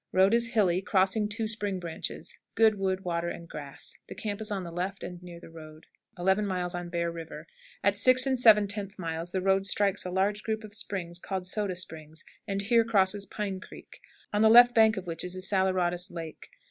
Road is hilly, crossing two spring branches. Good wood, water, and grass. The camp is on the left and near the road. 11. Bear River. At 6 7/10 miles the road strikes a large group of springs called "Soda Springs," and here crosses Pine Creek, on the left bank of which is a saleratus lake.